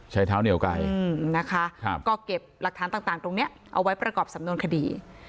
ใช้เท้าเหนียวไกลนะคะก็เก็บหลักฐานต่างตรงนี้เอาไว้ประกอบสำนวนคดี